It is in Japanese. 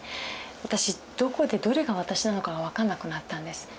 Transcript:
私どこでどれが私なのかが分かんなくなったんです。